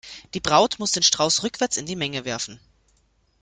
Die Braut muss den Strauß rückwärts in die Menge werfen.